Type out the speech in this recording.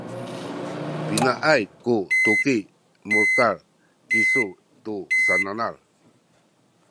pinaay ku tuki mulekal kisu tu sananal?